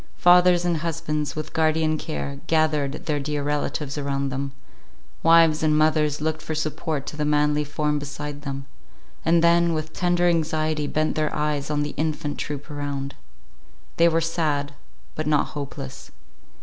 Fathers and husbands, with guardian care, gathered their dear relatives around them; wives and mothers looked for support to the manly form beside them, and then with tender anxiety bent their eyes on the infant troop around. They were sad, but not hopeless.